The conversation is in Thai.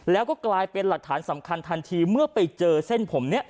แล้วก็กลายเป็นหลักฐานสำคัญทันทีเมื่อไปเจอเส้นผมนี้